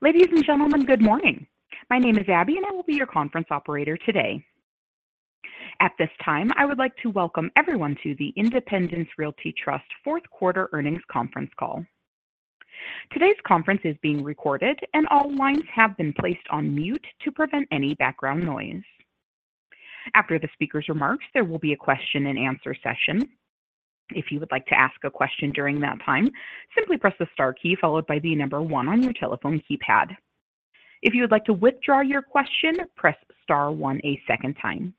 Ladies and gentlemen, good morning. My name is Abby, and I will be your conference operator today. At this time, I would like to welcome everyone to the Independence Realty Trust fourth quarter earnings conference call. Today's conference is being recorded, and all lines have been placed on mute to prevent any background noise. After the speaker's remarks, there will be a question and answer session. If you would like to ask a question during that time, simply press the star key followed by the number one on your telephone keypad. If you would like to withdraw your question, press star one a second time.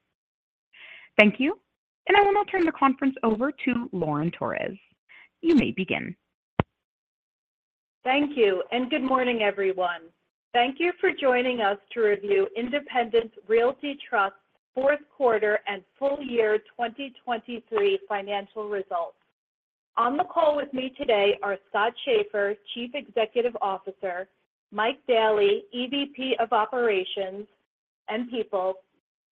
Thank you, and I will now turn the conference over to Lauren Torres. You may begin. Thank you, and good morning, everyone. Thank you for joining us to review Independence Realty Trust's Q4 and Full Year 2023 Financial Results. On the call with me today are Scott Schaeffer, Chief Executive Officer, Mike Daley, EVP of Operations and People,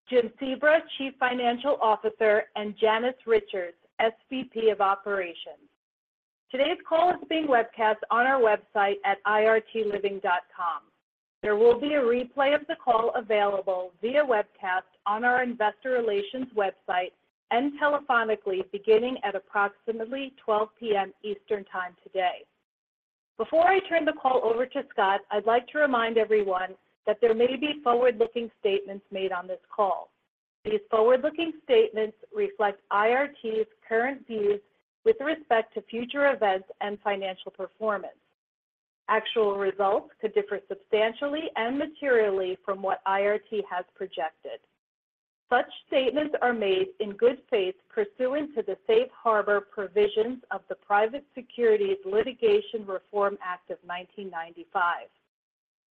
Jim Sebra, Chief Financial Officer, and Janice Richards, SVP of Operations. Today's call is being webcast on our website at irtliving.com. There will be a replay of the call available via webcast on our investor relations website and telephonically beginning at approximately 12:00 P.M. Eastern Time today. Before I turn the call over to Scott, I'd like to remind everyone that there may be forward-looking statements made on this call. These forward-looking statements reflect IRT's current views with respect to future events and financial performance. Actual results could differ substantially and materially from what IRT has projected. Such statements are made in good faith pursuant to the Safe Harbor Provisions of the Private Securities Litigation Reform Act of 1995.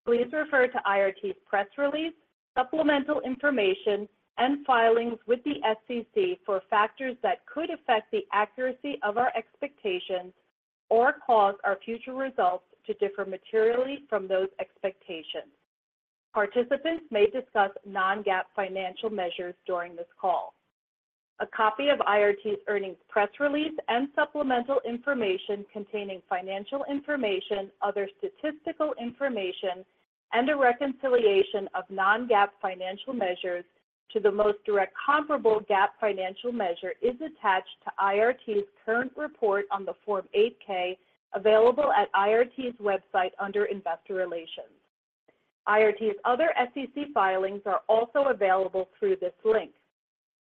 Please refer to IRT's press release, supplemental information, and filings with the SEC for factors that could affect the accuracy of our expectations or cause our future results to differ materially from those expectations. Participants may discuss non-GAAP financial measures during this call. A copy of IRT's earnings press release and supplemental information containing financial information, other statistical information, and a reconciliation of non-GAAP financial measures to the most direct comparable GAAP financial measure is attached to IRT's current report on the Form 8-K, available at IRT's website under Investor Relations. IRT's other SEC filings are also available through this link.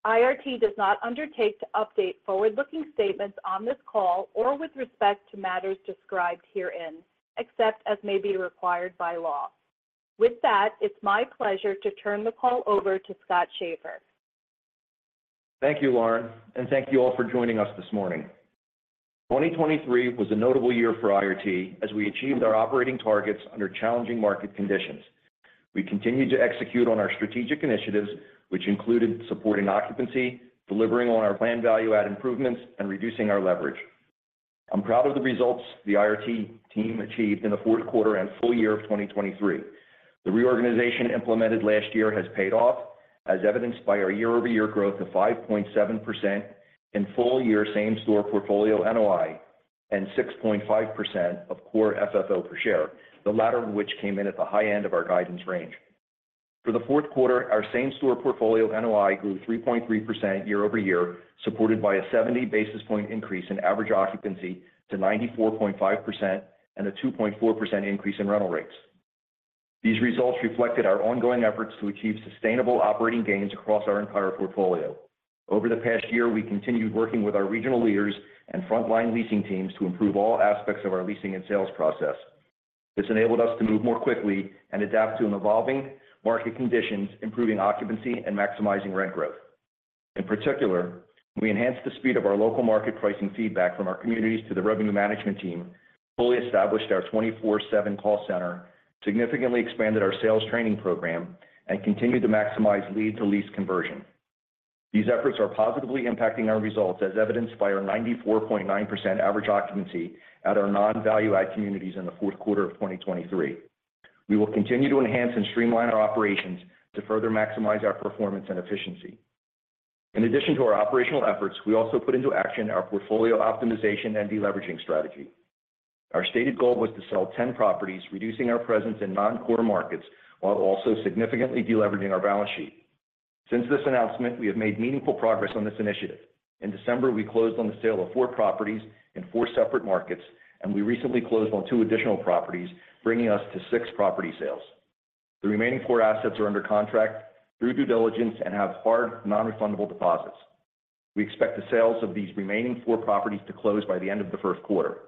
IRT does not undertake to update forward-looking statements on this call or with respect to matters described herein, except as may be required by law. With that, it's my pleasure to turn the call over to Scott Schaeffer. Thank you, Lauren, and thank you all for joining us this morning. 2023 was a notable year for IRT as we achieved our operating targets under challenging market conditions. We continued to execute on our strategic initiatives, which included supporting occupancy, delivering on our planned value-add improvements, and reducing our leverage. I'm proud of the results the IRT team achieved in the fourth quarter and full year of 2023. The reorganization implemented last year has paid off, as evidenced by our year-over-year growth of 5.7% in full-year same-store portfolio NOI, and 6.5% of Core FFO per share, the latter of which came in at the high end of our guidance range. For the fourth quarter, our same-store portfolio NOI grew 3.3% year-over-year, supported by a 70 basis point increase in average occupancy to 94.5% and a 2.4% increase in rental rates. These results reflected our ongoing efforts to achieve sustainable operating gains across our entire portfolio. Over the past year, we continued working with our regional leaders and frontline leasing teams to improve all aspects of our leasing and sales process. This enabled us to move more quickly and adapt to an evolving market conditions, improving occupancy and maximizing rent growth. In particular, we enhanced the speed of our local market pricing feedback from our communities to the revenue management team, fully established our 24/7 call center, significantly expanded our sales training program, and continued to maximize lead-to-lease conversion. These efforts are positively impacting our results, as evidenced by our 94.9% average occupancy at our non-value-add communities in the fourth quarter of 2023. We will continue to enhance and streamline our operations to further maximize our performance and efficiency. In addition to our operational efforts, we also put into action our portfolio optimization and deleveraging strategy. Our stated goal was to sell 10 properties, reducing our presence in non-core markets, while also significantly deleveraging our balance sheet. Since this announcement, we have made meaningful progress on this initiative. In December, we closed on the sale of four properties in four separate markets, and we recently closed on two additional properties, bringing us to six property sales. The remaining four assets are under contract through due diligence and have hard, non-refundable deposits. We expect the sales of these remaining four properties to close by the end of the first quarter.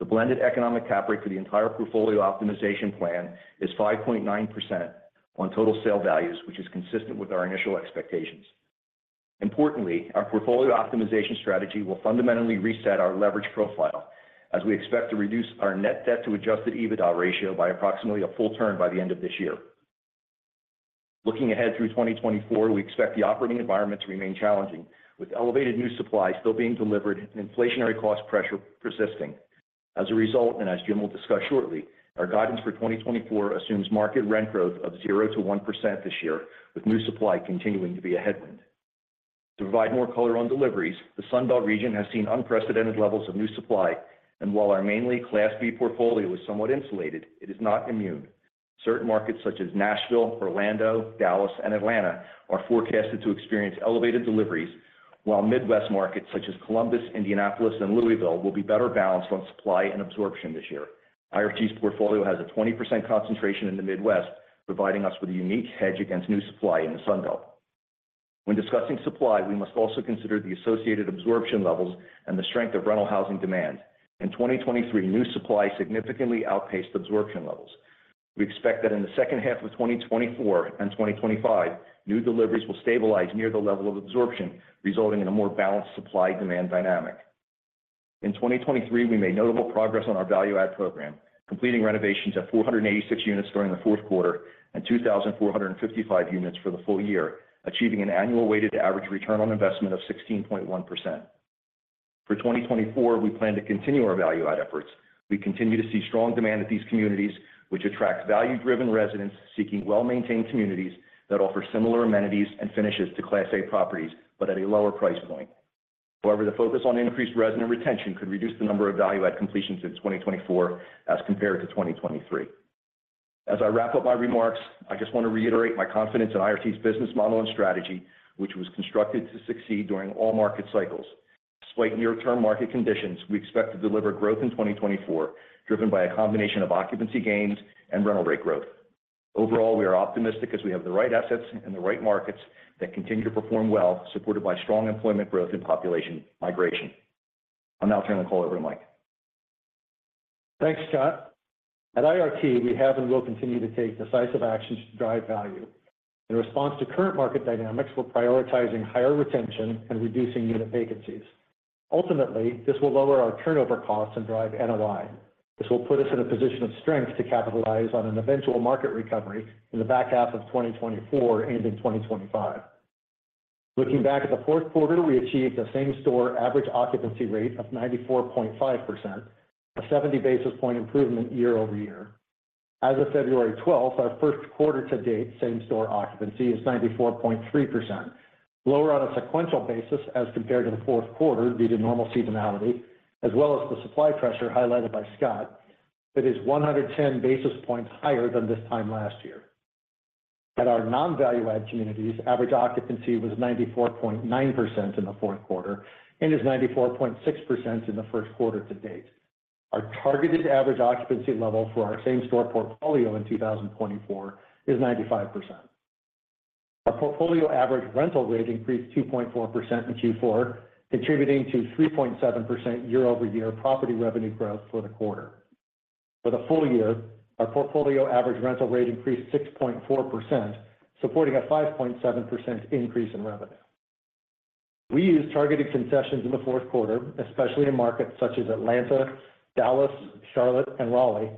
The blended economic cap rate for the entire portfolio optimization plan is 5.9% on total sale values, which is consistent with our initial expectations. Importantly, our portfolio optimization strategy will fundamentally reset our leverage profile as we expect to reduce our net debt to adjusted EBITDA ratio by approximately a full turn by the end of this year. Looking ahead through 2024, we expect the operating environment to remain challenging, with elevated new supply still being delivered and inflationary cost pressure persisting. As a result, and as Jim will discuss shortly, our guidance for 2024 assumes market rent growth of 0%-1% this year, with new supply continuing to be a headwind.... To provide more color on deliveries, the Sun Belt region has seen unprecedented levels of new supply, and while our mainly Class B portfolio is somewhat insulated, it is not immune. Certain markets such as Nashville, Orlando, Dallas, and Atlanta are forecasted to experience elevated deliveries, while Midwest markets such as Columbus, Indianapolis, and Louisville will be better balanced on supply and absorption this year. IRT's portfolio has a 20% concentration in the Midwest, providing us with a unique hedge against new supply in the Sun Belt. When discussing supply, we must also consider the associated absorption levels and the strength of rental housing demand. In 2023, new supply significantly outpaced absorption levels. We expect that in the second half of 2024 and 2025, new deliveries will stabilize near the level of absorption, resulting in a more balanced supply-demand dynamic. In 2023, we made notable progress on our value-add program, completing renovations at 486 units during the fourth quarter and 2,455 units for the full year, achieving an annual weighted average return on investment of 16.1%. For 2024, we plan to continue our value-add efforts. We continue to see strong demand at these communities, which attracts value-driven residents seeking well-maintained communities that offer similar amenities and finishes to Class A properties, but at a lower price point. However, the focus on increased resident retention could reduce the number of value-add completions in 2024 as compared to 2023. As I wrap up my remarks, I just want to reiterate my confidence in IRT's business model and strategy, which was constructed to succeed during all market cycles. Despite near-term market conditions, we expect to deliver growth in 2024, driven by a combination of occupancy gains and rental rate growth. Overall, we are optimistic as we have the right assets and the right markets that continue to perform well, supported by strong employment growth and population migration. I'll now turn the call over to Mike. Thanks, Scott. At IRT, we have and will continue to take decisive actions to drive value. In response to current market dynamics, we're prioritizing higher retention and reducing unit vacancies. Ultimately, this will lower our turnover costs and drive NOI. This will put us in a position of strength to capitalize on an eventual market recovery in the back half of 2024 and in 2025. Looking back at the fourth quarter, we achieved a same-store average occupancy rate of 94.5%, a 70 basis point improvement year-over-year. As of February 12th, our first quarter to date, same-store occupancy is 94.3%, lower on a sequential basis as compared to the fourth quarter due to normal seasonality, as well as the supply pressure highlighted by Scott, that is 110 basis points higher than this time last year. At our non-value-add communities, average occupancy was 94.9% in the fourth quarter and is 94.6% in the first quarter to date. Our targeted average occupancy level for our same-store portfolio in 2024 is 95%. Our portfolio average rental rate increased 2.4% in Q4, contributing to 3.7% year-over-year property revenue growth for the quarter. For the full year, our portfolio average rental rate increased 6.4%, supporting a 5.7% increase in revenue. We used targeted concessions in the fourth quarter, especially in markets such as Atlanta, Dallas, Charlotte, and Raleigh,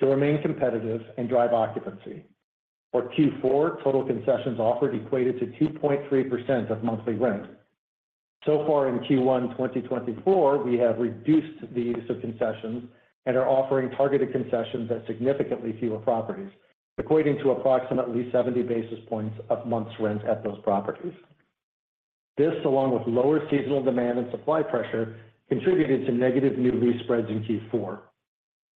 to remain competitive and drive occupancy. For Q4, total concessions offered equated to 2.3% of monthly rent. So far in Q1 2024, we have reduced the use of concessions and are offering targeted concessions at significantly fewer properties, equating to approximately 70 basis points of month's rent at those properties. This, along with lower seasonal demand and supply pressure, contributed to negative new lease spreads in Q4.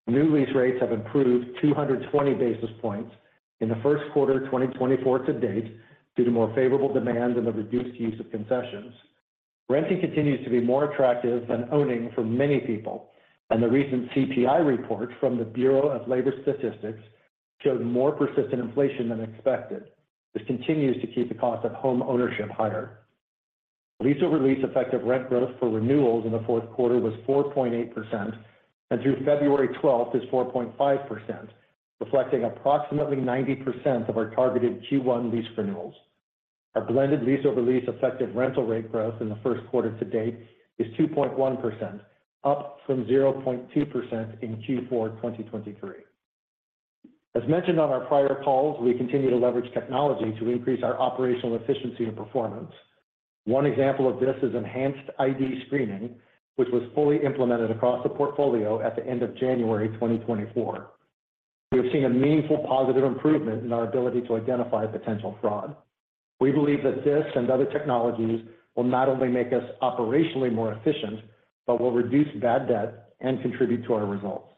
New lease rates have improved 220 basis points in the first quarter of 2024 to date, due to more favorable demand and the reduced use of concessions. Renting continues to be more attractive than owning for many people, and the recent CPI report from the Bureau of Labor Statistics showed more persistent inflation than expected. This continues to keep the cost of homeownership higher. Lease-over-lease effective rent growth for renewals in the fourth quarter was 4.8%, and through February 12 is 4.5%, reflecting approximately 90% of our targeted Q1 lease renewals. Our blended lease-over-lease effective rental rate growth in the first quarter to date is 2.1%, up from 0.2% in Q4 2023. As mentioned on our prior calls, we continue to leverage technology to increase our operational efficiency and performance. One example of this is enhanced ID screening, which was fully implemented across the portfolio at the end of January 2024. We have seen a meaningful positive improvement in our ability to identify potential fraud. We believe that this and other technologies will not only make us operationally more efficient, but will reduce bad debt and contribute to our results.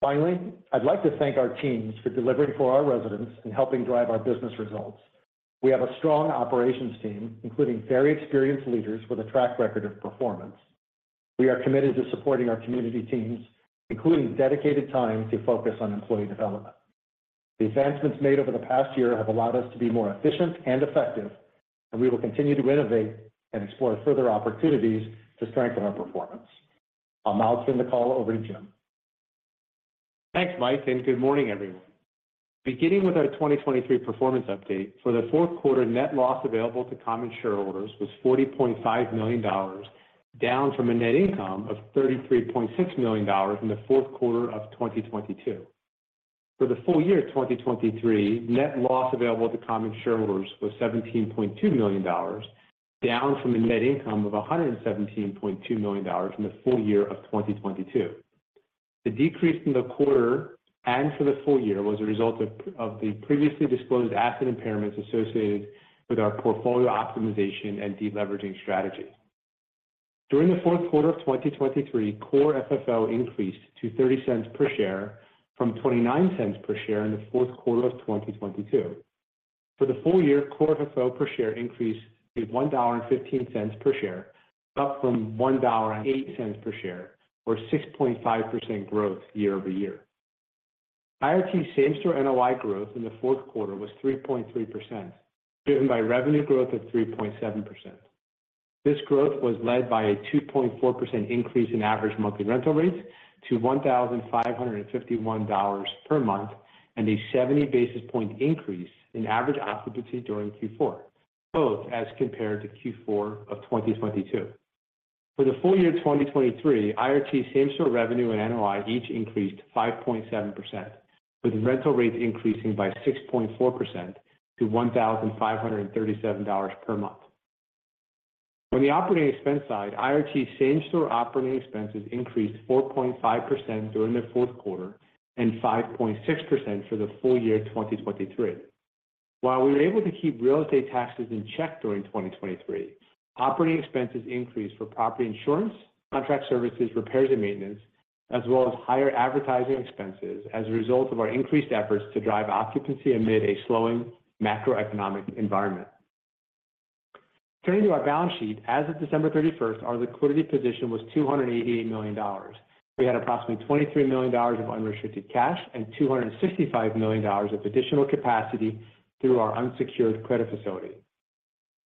Finally, I'd like to thank our teams for delivering for our residents and helping drive our business results. We have a strong operations team, including very experienced leaders with a track record of performance. We are committed to supporting our community teams, including dedicated time to focus on employee development. The advancements made over the past year have allowed us to be more efficient and effective, and we will continue to innovate and explore further opportunities to strengthen our performance. I'll now turn the call over to Jim. Thanks, Mike, and good morning, everyone. Beginning with our 2023 performance update, for the fourth quarter, net loss available to common shareholders was $40.5 million, down from a net income of $33.6 million in the fourth quarter of 2022. For the full year 2023, net loss available to common shareholders was $17.2 million, down from a net income of $117.2 million in the full year of 2022.... The decrease in the quarter and for the full year was a result of the previously disclosed asset impairments associated with our portfolio optimization and deleveraging strategy. During the fourth quarter of 2023, Core FFO increased to $0.30 per share from $0.29 per share in the fourth quarter of 2022. For the full year, Core FFO per share increased to $1.15 per share, up from $1.08 per share, or 6.5% growth year-over-year. IRT same-store NOI growth in the fourth quarter was 3.3%, driven by revenue growth of 3.7%. This growth was led by a 2.4% increase in average monthly rental rates to $1,551 per month, and a 70 basis point increase in average occupancy during Q4, both as compared to Q4 of 2022. For the full year 2023, IRT same-store revenue and NOI each increased to 5.7%, with rental rates increasing by 6.4% to $1,537 per month. On the operating expense side, IRT same-store operating expenses increased 4.5% during the fourth quarter and 5.6% for the full year 2023. While we were able to keep real estate taxes in check during 2023, operating expenses increased for property insurance, contract services, repairs and maintenance, as well as higher advertising expenses as a result of our increased efforts to drive occupancy amid a slowing macroeconomic environment. Turning to our balance sheet, as of December 31, our liquidity position was $288 million. We had approximately $23 million of unrestricted cash and $265 million of additional capacity through our unsecured credit facility.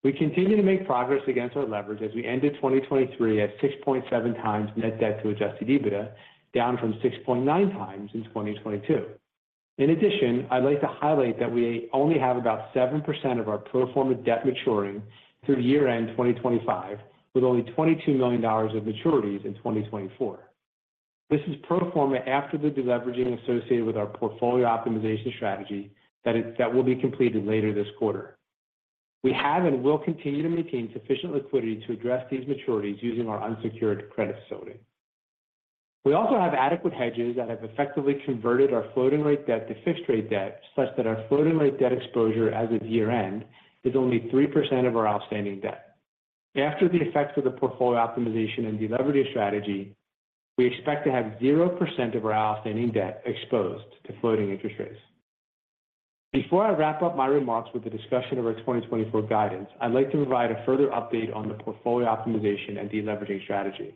We continue to make progress against our leverage as we ended 2023 at 6.7x net debt to adjusted EBITDA, down from 6.9x in 2022. In addition, I'd like to highlight that we only have about 7% of our pro forma debt maturing through year-end 2025, with only $22 million of maturities in 2024. This is pro forma after the deleveraging associated with our portfolio optimization strategy that will be completed later this quarter. We have and will continue to maintain sufficient liquidity to address these maturities using our unsecured credit facility. We also have adequate hedges that have effectively converted our floating rate debt to fixed rate debt, such that our floating rate debt exposure as of year-end is only 3% of our outstanding debt. After the effects of the portfolio optimization and deleveraging strategy, we expect to have 0% of our outstanding debt exposed to floating interest rates. Before I wrap up my remarks with a discussion of our 2024 guidance, I'd like to provide a further update on the portfolio optimization and deleveraging strategy.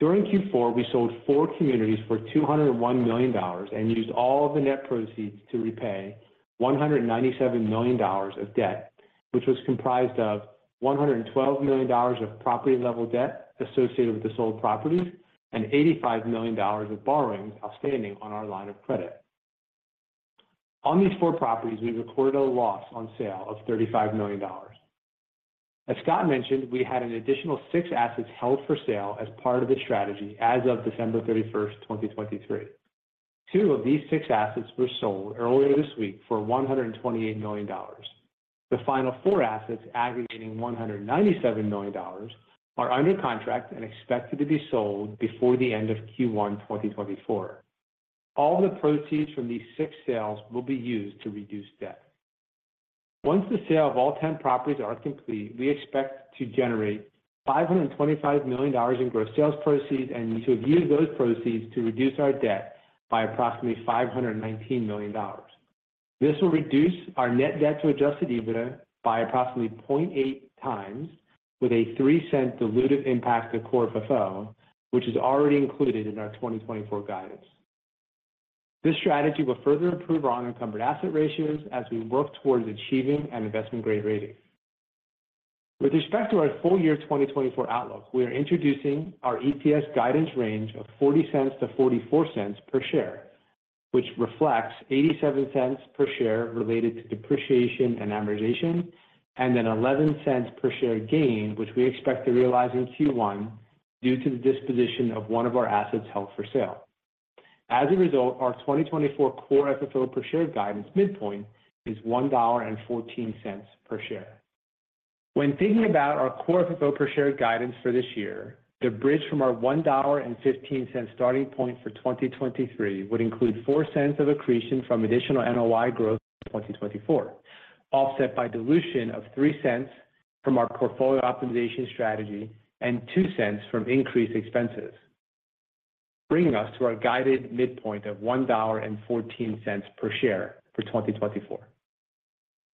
During Q4, we sold 4 communities for $201 million and used all of the net proceeds to repay $197 million of debt, which was comprised of $112 million of property-level debt associated with the sold properties and $85 million of borrowings outstanding on our line of credit. On these four properties, we recorded a loss on sale of $35 million. As Scott mentioned, we had an additional 6 assets held for sale as part of this strategy as of December 31, 2023. Two of these six assets were sold earlier this week for $128 million. The final four assets, aggregating $197 million, are under contract and expected to be sold before the end of Q1 2024. All the proceeds from these six sales will be used to reduce debt. Once the sale of all ten properties are complete, we expect to generate $525 million in gross sales proceeds and to have used those proceeds to reduce our debt by approximately $519 million. This will reduce our net debt to adjusted EBITDA by approximately 0.8 times, with a $0.03 diluted impact to core FFO, which is already included in our 2024 guidance. This strategy will further improve our unencumbered asset ratios as we work towards achieving an investment-grade rating. With respect to our full year 2024 outlook, we are introducing our EPS guidance range of $0.40-$0.44 per share, which reflects $0.87 per share related to depreciation and amortization, and an $0.11 per share gain, which we expect to realize in Q1 due to the disposition of one of our assets held for sale. As a result, our 2024 Core FFO per share guidance midpoint is $1.14 per share. When thinking about our Core FFO per share guidance for this year, the bridge from our $1.15 starting point for 2023 would include $0.04 of accretion from additional NOI growth in 2024, offset by dilution of $0.03 from our portfolio optimization strategy and $0.02 from increased expenses, bringing us to our guided midpoint of $1.14 per share for 2024.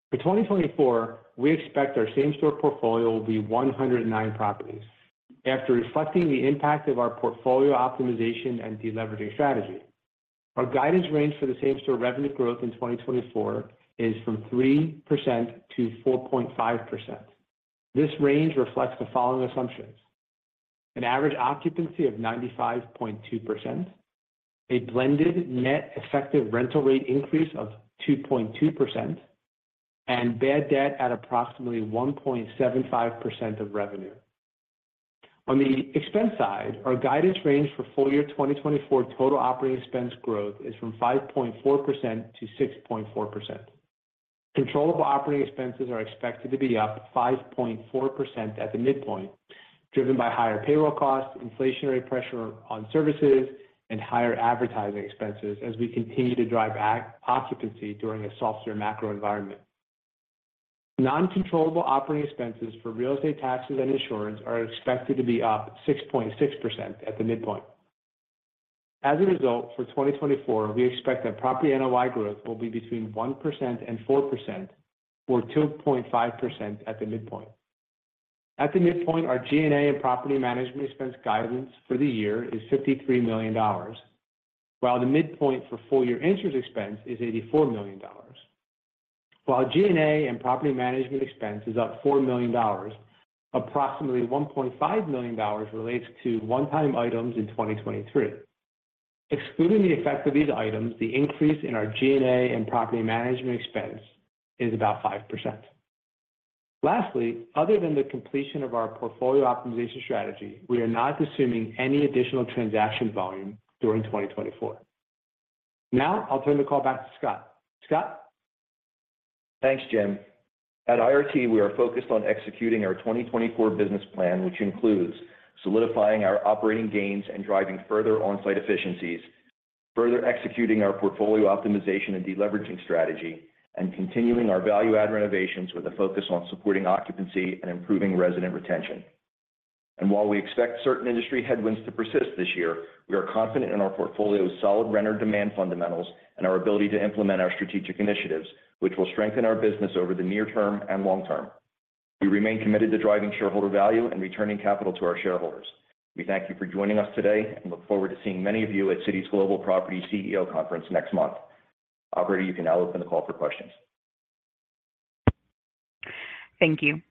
For 2024, we expect our same-store portfolio will be 109 properties. After reflecting the impact of our portfolio optimization and deleveraging strategy, our guidance range for the same-store revenue growth in 2024 is from 3%-4.5%. This range reflects the following assumptions: An average occupancy of 95.2%, a blended net effective rental rate increase of 2.2%, and bad debt at approximately 1.75% of revenue. On the expense side, our guidance range for full year 2024 total operating expense growth is from 5.4%-6.4%. Controllable operating expenses are expected to be up 5.4% at the midpoint, driven by higher payroll costs, inflationary pressure on services, and higher advertising expenses as we continue to drive aggressive occupancy during a softer macro environment. Non-controllable operating expenses for real estate taxes and insurance are expected to be up 6.6% at the midpoint. As a result, for 2024, we expect that property NOI growth will be between 1% and 4%, or 2.5% at the midpoint. At the midpoint, our G&A and property management expense guidance for the year is $53 million, while the midpoint for full-year interest expense is $84 million. While G&A and property management expense is up $4 million, approximately $1.5 million relates to one-time items in 2023. Excluding the effect of these items, the increase in our G&A and property management expense is about 5%. Lastly, other than the completion of our portfolio optimization strategy, we are not assuming any additional transaction volume during 2024. Now, I'll turn the call back to Scott. Scott? Thanks, Jim. At IRT, we are focused on executing our 2024 business plan, which includes solidifying our operating gains and driving further on-site efficiencies, further executing our portfolio optimization and deleveraging strategy, and continuing our value-add renovations with a focus on supporting occupancy and improving resident retention. While we expect certain industry headwinds to persist this year, we are confident in our portfolio's solid renter demand fundamentals and our ability to implement our strategic initiatives, which will strengthen our business over the near term and long term. We remain committed to driving shareholder value and returning capital to our shareholders. We thank you for joining us today and look forward to seeing many of you at Citi's Global Property CEO Conference next month. Operator, you can now open the call for questions. Thank you.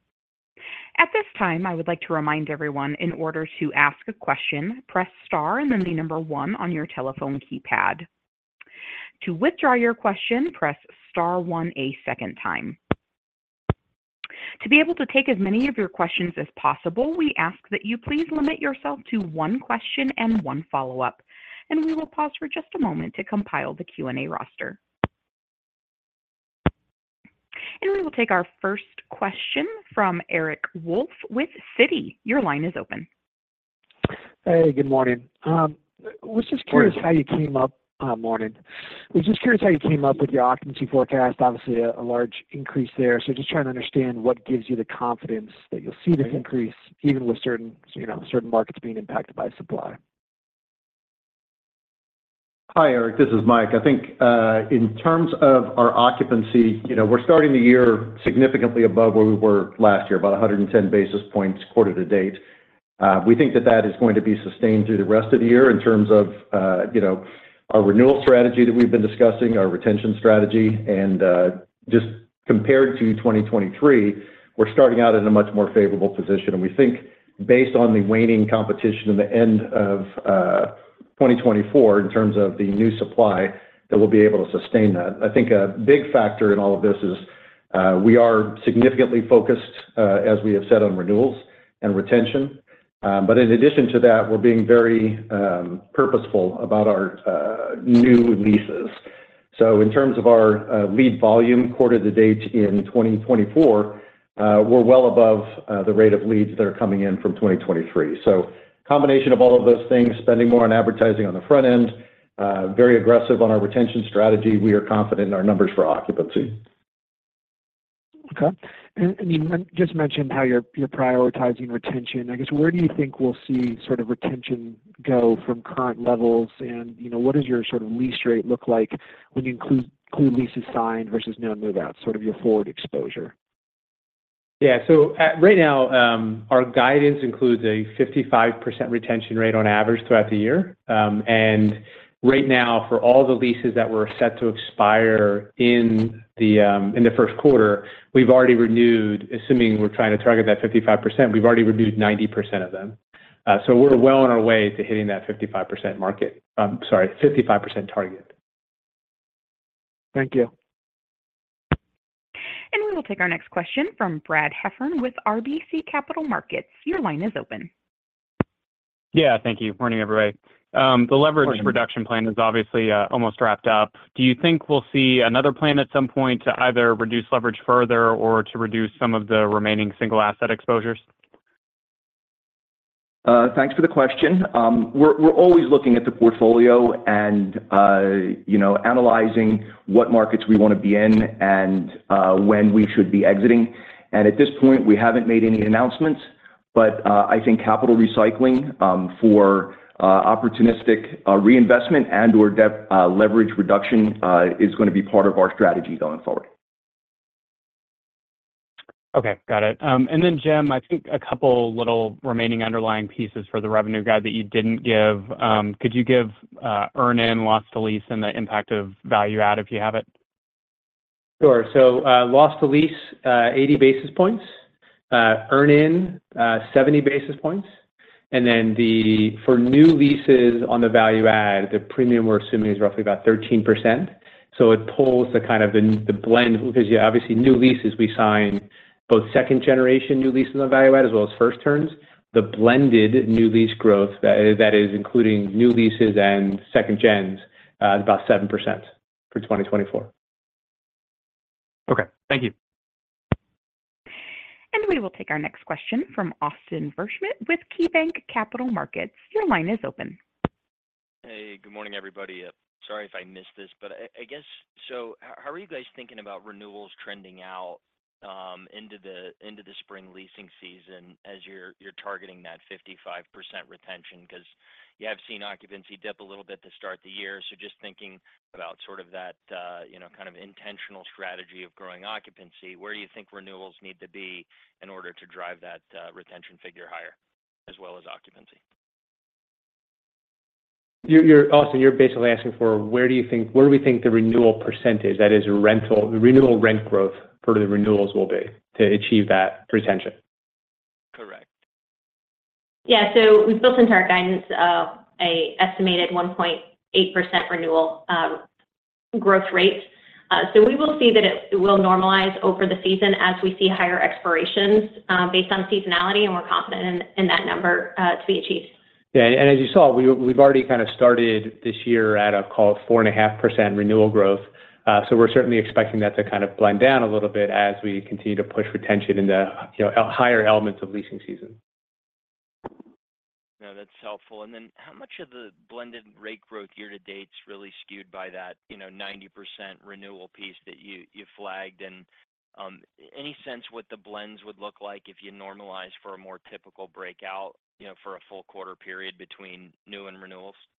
At this time, I would like to remind everyone, in order to ask a question, press star and then one on your telephone keypad. To withdraw your question, press star one a second time. To be able to take as many of your questions as possible, we ask that you please limit yourself to one question and one follow-up, and we will pause for just a moment to compile the Q&A roster. We will take our first question from Eric Wolfe with Citi. Your line is open. Hey, good morning. Was just curious- Morning. Morning. Was just curious how you came up with your occupancy forecast. Obviously, a large increase there. So just trying to understand what gives you the confidence that you'll see this increase even with certain, you know, certain markets being impacted by supply. Hi, Eric, this is Mike. I think, in terms of our occupancy, you know, we're starting the year significantly above where we were last year, about 110 basis points quarter to date. We think that that is going to be sustained through the rest of the year in terms of, you know, our renewal strategy that we've been discussing, our retention strategy, and just compared to 2023, we're starting out in a much more favorable position. And we think based on the waning competition in the end of 2024, in terms of the new supply, that we'll be able to sustain that. I think a big factor in all of this is we are significantly focused, as we have said, on renewals and retention. But in addition to that, we're being very purposeful about our new leases. So in terms of our lead volume quarter to date in 2024, we're well above the rate of leads that are coming in from 2023. So combination of all of those things, spending more on advertising on the front end, very aggressive on our retention strategy, we are confident in our numbers for occupancy. Okay. And you just mentioned how you're prioritizing retention. I guess, where do you think we'll see sort of retention go from current levels? And, you know, what does your sort of lease rate look like when you include leases signed versus no move-out, sort of your forward exposure? Yeah. So right now, our guidance includes a 55% retention rate on average throughout the year. And right now, for all the leases that were set to expire in the first quarter, we've already renewed, assuming we're trying to target that 55%, we've already renewed 90% of them. So we're well on our way to hitting that 55% target. Thank you. We will take our next question from Brad Heffern with RBC Capital Markets. Your line is open. Yeah, thank you. Morning, everybody. Morning. The leverage reduction plan is obviously almost wrapped up. Do you think we'll see another plan at some point to either reduce leverage further or to reduce some of the remaining single asset exposures? Thanks for the question. We're always looking at the portfolio and, you know, analyzing what markets we wanna be in and when we should be exiting. At this point, we haven't made any announcements, but I think capital recycling for opportunistic reinvestment and/or debt leverage reduction is gonna be part of our strategy going forward. Okay, got it. And then Jim, I think a couple little remaining underlying pieces for the revenue guide that you didn't give. Could you give earn-in, loss-to-lease, and the impact of value-add, if you have it? Sure. So, loss-to-lease, 80 basis points. Earn-in, 70 basis points. And then the for new leases on the value add, the premium we're assuming is roughly about 13%. So it pulls the kind of the, the blend, because yeah, obviously, new leases we sign, both second generation new leases on the value add as well as first terms, the blended new lease growth, that, that is including new leases and second gens, is about 7% for 2024. Okay. Thank you. ... We will take our next question from Austin Wurschmidt with KeyBanc Capital Markets. Your line is open. Hey, good morning, everybody. Sorry if I missed this, but I, I guess, so how are you guys thinking about renewals trending out into the spring leasing season as you're targeting that 55% retention? Because you have seen occupancy dip a little bit to start the year, so just thinking about sort of that, you know, kind of intentional strategy of growing occupancy, where do you think renewals need to be in order to drive that retention figure higher as well as occupancy? You're Austin, you're basically asking for where do you think—where do we think the renewal percentage, that is rental—renewal rent growth for the renewals will be to achieve that retention? Correct. Yeah. So we've built into our guidance an estimated 1.8% renewal growth rate. So we will see that it will normalize over the season as we see higher expirations based on seasonality, and we're confident in that number to be achieved. Yeah, and as you saw, we've already kind of started this year at a call it 4.5% renewal growth. We're certainly expecting that to kind of blend down a little bit as we continue to push retention in the, you know, higher elements of leasing season. No, that's helpful. And then how much of the blended rate growth year to date is really skewed by that, you know, 90% renewal piece that you flagged, and any sense what the blends would look like if you normalize for a more typical breakout, you know, for a full quarter period between new and renewals? You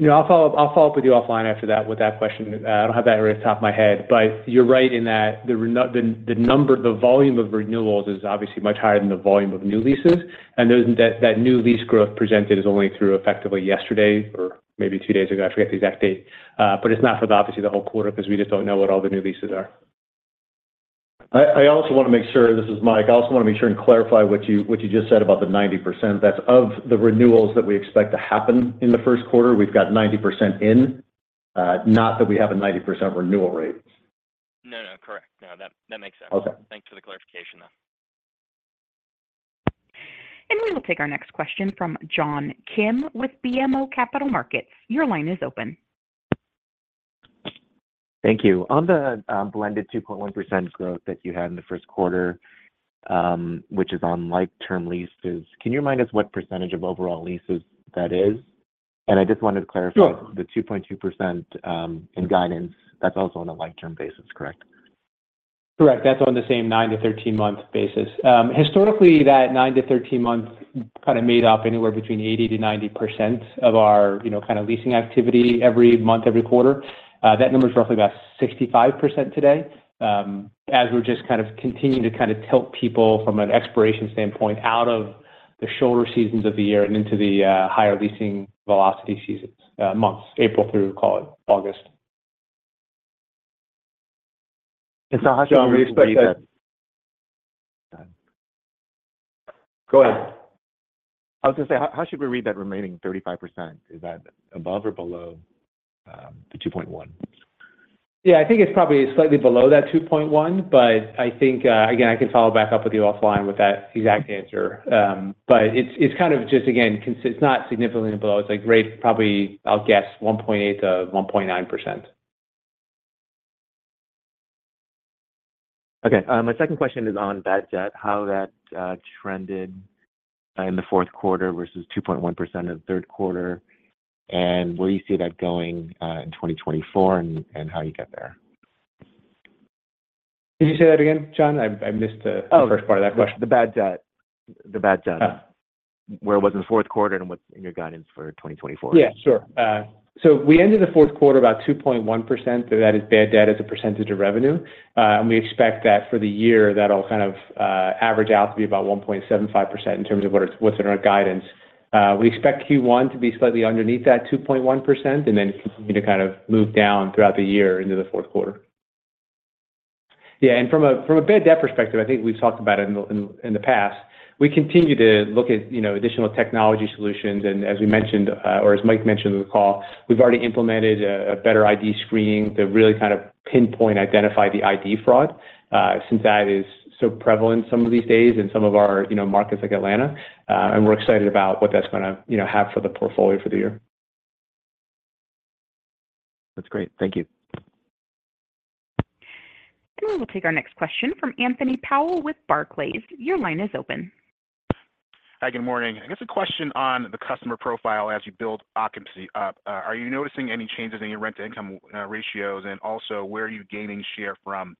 know, I'll follow up, I'll follow up with you offline after that, with that question. I don't have that right off the top of my head, but you're right in that the number, the volume of renewals is obviously much higher than the volume of new leases, and that new lease growth presented is only through effectively yesterday or maybe two days ago. I forget the exact date, but it's not for obviously the whole quarter because we just don't know what all the new leases are. I also want to make sure... This is Mike. I also want to make sure and clarify what you just said about the 90%. That's of the renewals that we expect to happen in the first quarter, we've got 90% in, not that we have a 90% renewal rate. No, no. Correct. No, that, that makes sense. Okay. Thanks for the clarification, though. We will take our next question from John Kim with BMO Capital Markets. Your line is open. Thank you. On the blended 2.1% growth that you had in the first quarter, which is on like-term leases, can you remind us what percentage of overall leases that is? And I just wanted to clarify- Sure. - the 2.2%, in guidance, that's also on a like-term basis, correct? Correct. That's on the same 9-13-month basis. Historically, that 9-13 months kind of made up anywhere between 80%-90% of our, you know, kind of leasing activity every month, every quarter. That number is roughly about 65% today, as we're just kind of continuing to kind of tilt people from an expiration standpoint out of the shorter seasons of the year and into the higher leasing velocity seasons, months, April through, call it August. How should we expect that- Go ahead. I was going to say, how, how should we read that remaining 35%? Is that above or below, the 2.1? Yeah, I think it's probably slightly below that 2.1, but I think, Again, I can follow back up with you offline with that exact answer. But it's, it's kind of just, again, it's not significantly below. It's like rate, probably, I'll guess, 1.8%-1.9%. Okay. My second question is on bad debt, how that trended in the fourth quarter versus 2.1% of the third quarter, and where do you see that going in 2024, and how you get there? Can you say that again, John? I missed the- Oh. first part of that question. The bad debt. The bad debt. Ah. Where it was in the fourth quarter and what's in your guidance for 2024. Yeah, sure. So we ended the fourth quarter about 2.1%. So that is bad debt as a percentage of revenue. And we expect that for the year, that'll kind of average out to be about 1.75% in terms of what's in our guidance. We expect Q1 to be slightly underneath that 2.1% and then continue to kind of move down throughout the year into the fourth quarter. Yeah, and from a, from a bad debt perspective, I think we've talked about it in the past. We continue to look at, you know, additional technology solutions, and as we mentioned, or as Mike mentioned in the call, we've already implemented a better ID screening to really kind of pinpoint, identify the ID fraud, since that is so prevalent some of these days in some of our, you know, markets like Atlanta. And we're excited about what that's gonna, you know, have for the portfolio for the year. That's great. Thank you. We will take our next question from Anthony Powell with Barclays. Your line is open. Hi, good morning. I guess a question on the customer profile as you build occupancy up. Are you noticing any changes in your rent-to-income ratios? And also, where are you gaining share from,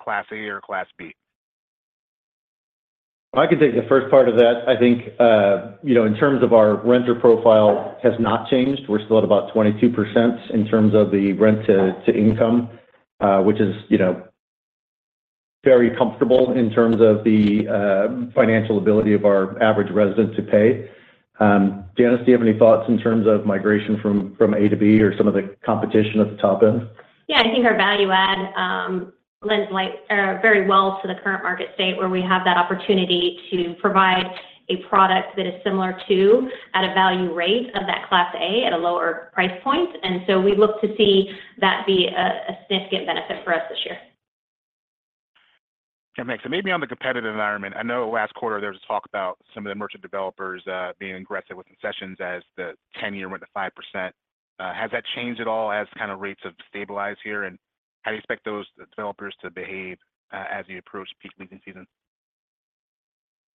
Class A or Class B? I can take the first part of that. I think, you know, in terms of our renter profile has not changed. We're still at about 22% in terms of the rent-to-income, which is, you know, very comfortable in terms of the financial ability of our average resident to pay. Janice, do you have any thoughts in terms of migration from A to B or some of the competition at the top end? Yeah, I think our value add lends like very well to the current market state, where we have that opportunity to provide a product that is similar to, at a value rate of that Class A at a lower price point. And so we look to see that be a significant benefit for us this year. Yeah, thanks. So maybe on the competitive environment, I know last quarter there was talk about some of the merchant developers being aggressive with concessions as the 10-year went to 5%.... has that changed at all as kind of rates have stabilized here? And how do you expect those developers to behave, as we approach peak leasing season?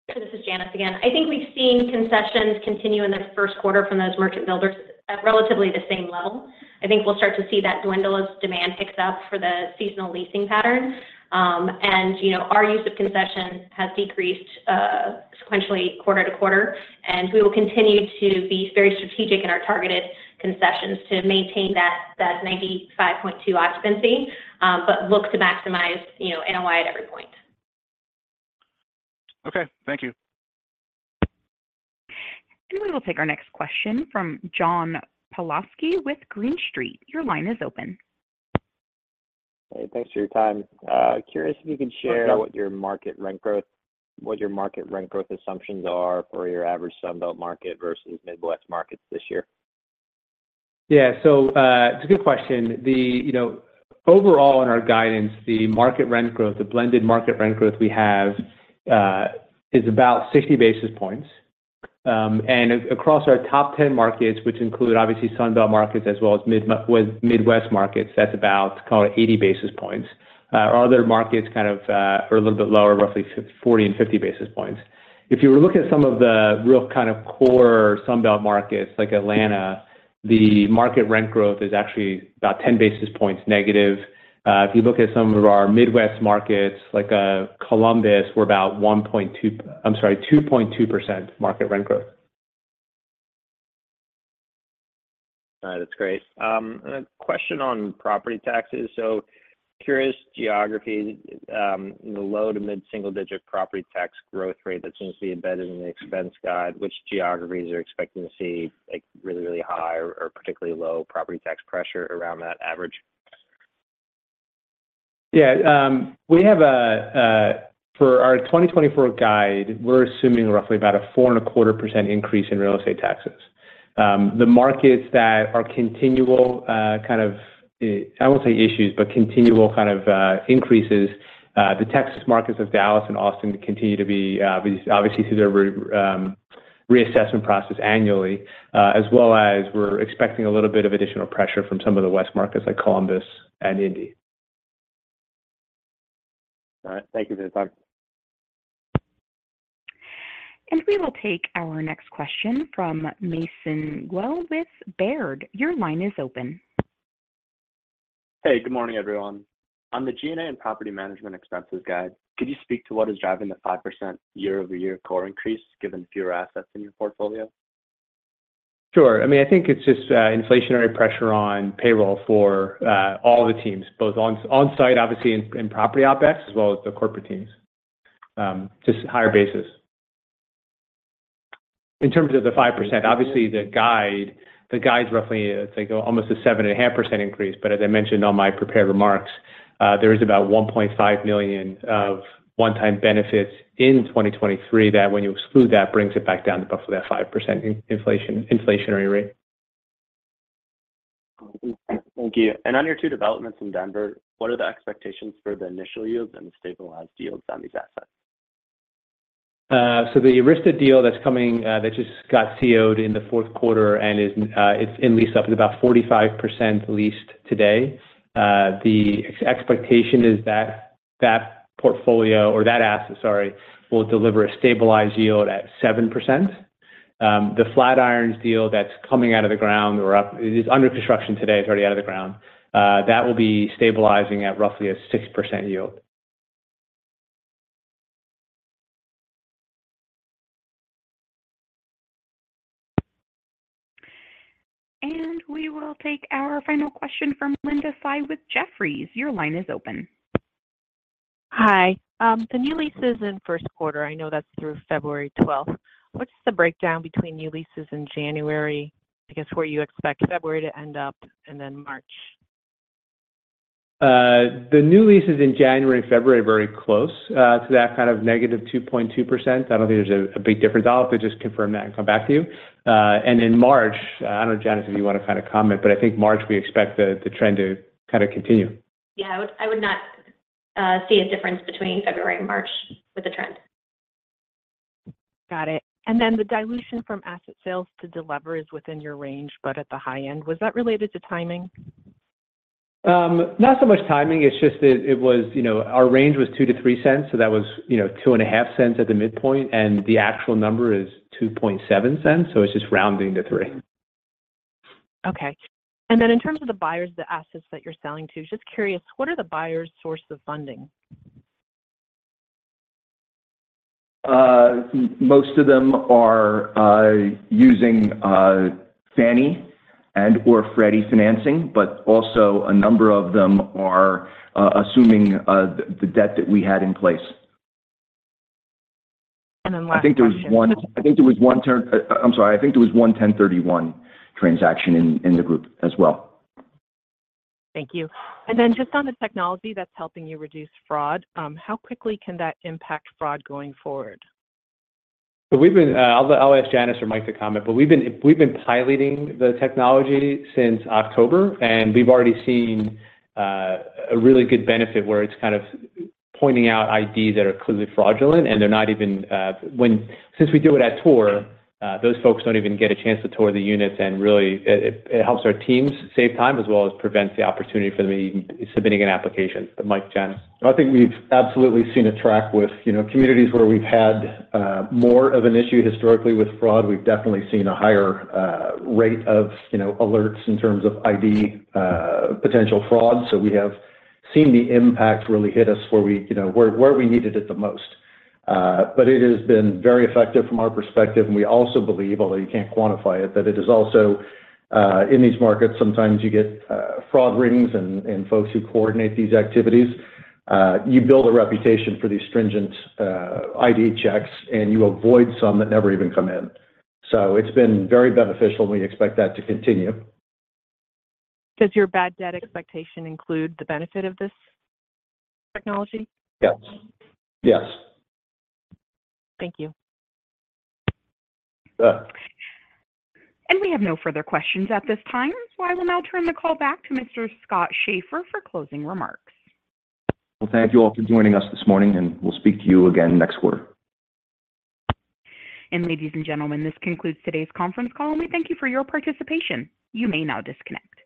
This is Janice again. I think we've seen concessions continue in the first quarter from those merchant builders at relatively the same level. I think we'll start to see that dwindle as demand picks up for the seasonal leasing pattern. And, you know, our use of concessions has decreased sequentially quarter to quarter, and we will continue to be very strategic in our targeted concessions to maintain that 95.2% occupancy, but look to maximize, you know, NOI at every point. Okay, thank you. We will take our next question from John Pawlowski with Green Street. Your line is open. Hey, thanks for your time. Curious if you can share what your market rent growth assumptions are for your average Sun Belt market versus Midwest markets this year? Yeah. So, it's a good question. The, you know, overall in our guidance, the market rent growth, the blended market rent growth we have, is about 60 basis points. And across our top 10 markets, which include obviously Sun Belt markets as well as with Midwest markets, that's about call it 80 basis points. Our other markets kind of are a little bit lower, roughly 40 and 50 basis points. If you were to look at some of the real kind of core Sun Belt markets like Atlanta, the market rent growth is actually about 10 basis points negative. If you look at some of our Midwest markets, like, Columbus, we're about two point two percent market rent growth. All right, that's great. And a question on property taxes. So curious geographies, low to mid-single-digit property tax growth rate that seems to be embedded in the expense guide, which geographies are expecting to see, like, really, really high or particularly low property tax pressure around that average? Yeah, for our 2024 guide, we're assuming roughly about a 4.25% increase in real estate taxes. The markets that are continual kind of, I won't say issues, but continual kind of increases, the Texas markets of Dallas and Austin continue to be obviously through their reassessment process annually, as well as we're expecting a little bit of additional pressure from some of the West markets like Columbus and Indy. All right. Thank you for your time. And we will take our next question from Mason Guell with Baird. Your line is open. Hey, good morning, everyone. On the G&A and property management expenses guide, could you speak to what is driving the 5% year-over-year core increase, given fewer assets in your portfolio? Sure. I mean, I think it's just inflationary pressure on payroll for all the teams, both on-site, obviously, in property OpEx, as well as the corporate teams, just higher basis. In terms of the 5%, obviously, the guide's roughly, I think, almost a 7.5% increase, but as I mentioned on my prepared remarks, there is about $1.5 million of one-time benefits in 2023, that when you exclude that, brings it back down to roughly that 5% inflation, inflationary rate. Thank you. On your two developments in Denver, what are the expectations for the initial yields and the stabilized yields on these assets? So the Arista deal that's coming, that just got CO'd in the fourth quarter and is, it's in lease-up, is about 45% leased today. The expectation is that that portfolio or that asset, sorry, will deliver a stabilized yield at 7%. The Flatirons deal that's coming out of the ground or up, it is under construction today, it's already out of the ground, that will be stabilizing at roughly a 6% yield. We will take our final question from Linda Tsai with Jefferies. Your line is open. Hi. The new leases in first quarter, I know that's through February 12. What's the breakdown between new leases in January, I guess, where you expect February to end up, and then March? The new leases in January and February are very close to that kind of -2.2%. I don't think there's a big difference. I'll have to just confirm that and come back to you. And in March, I don't know, Janice, if you want to kind of comment, but I think March, we expect the trend to kind of continue. Yeah, I would, I would not see a difference between February and March with the trend. Got it. And then the dilution from asset sales to delever is within your range, but at the high end, was that related to timing? Not so much timing. It's just that it was, you know, our range was $0.02-$0.03, so that was, you know, $0.025 at the midpoint, and the actual number is $0.027, so it's just rounding to $0.03. Okay. And then in terms of the buyers, the assets that you're selling to, just curious, what are the buyers' source of funding? Most of them are using Fannie and/or Freddie financing, but also a number of them are assuming the debt that we had in place. And then last question- I think there was one... I think there was one term, I'm sorry, I think there was one 1031 transaction in the group as well. Thank you. Just on the technology that's helping you reduce fraud, how quickly can that impact fraud going forward? So, I'll ask Janice or Mike to comment, but we've been piloting the technology since October, and we've already seen a really good benefit where it's kind of pointing out IDs that are clearly fraudulent, and they're not even. Since we do it at tour, those folks don't even get a chance to tour the units, and really, it helps our teams save time as well as prevents the opportunity for them submitting an application. Mike, Janice? I think we've absolutely seen a track with, you know, communities where we've had more of an issue historically with fraud. We've definitely seen a higher rate of, you know, alerts in terms of ID potential fraud. So we have seen the impact really hit us where we, you know, where we needed it the most. But it has been very effective from our perspective, and we also believe, although you can't quantify it, that it is also in these markets, sometimes you get fraud rings and folks who coordinate these activities. You build a reputation for these stringent ID checks, and you avoid some that never even come in. So it's been very beneficial, and we expect that to continue. Does your bad debt expectation include the benefit of this technology? Yes. Yes. Thank you. Yeah. We have no further questions at this time, so I will now turn the call back to Mr. Scott Schaeffer for closing remarks. Well, thank you all for joining us this morning, and we'll speak to you again next quarter. Ladies and gentlemen, this concludes today's conference call, and we thank you for your participation. You may now disconnect.